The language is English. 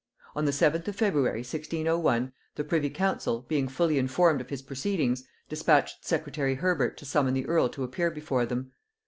On the 7th of February 1601, the privy council, being fully informed of his proceedings, dispatched secretary Herbert to summon the earl to appear before them.